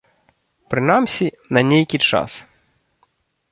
Прынамсі, на нейкі час.